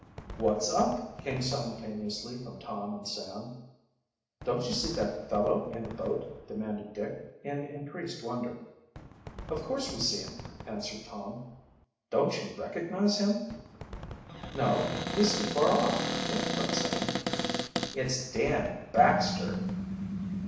"What's up?" came simultaneously from Tom and Sam. "Don't you see that fellow in the boat?" demanded Dick, in increased wonder. "Of course we see him," answered Tom. "Don't you recognize him?" "No; he's too far off," came from Sam.. "It's Dan Baxter!"